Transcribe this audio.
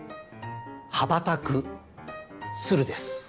羽ばたく鶴です。